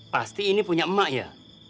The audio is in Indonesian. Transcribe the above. pasti ini punya emak ya